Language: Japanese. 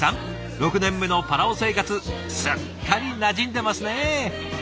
６年目のパラオ生活すっかりなじんでますね。